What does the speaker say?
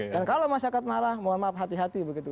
dan kalau masyarakat marah mohon maaf hati hati begitu